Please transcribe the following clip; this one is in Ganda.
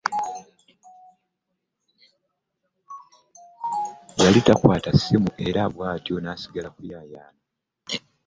Yali takwata ssimu era bwentyo neisigala u kuyayaana .